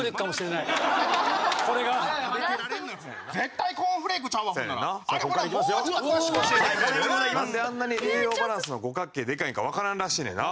なんであんなに栄養バランスの五角形でかいんかわからんらしいねんな。